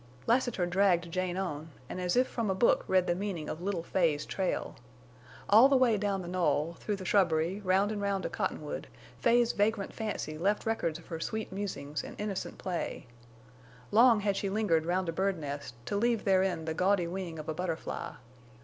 Lassiter dragged Jane on, and as if from a book read the meaning of little Fay's trail. All the way down the knoll, through the shrubbery, round and round a cottonwood, Fay's vagrant fancy left records of her sweet musings and innocent play. Long had she lingered round a bird nest to leave therein the gaudy wing of a butterfly.